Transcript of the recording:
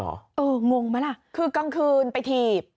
เอองงไหมล่ะคือกลางคืนไปถีบ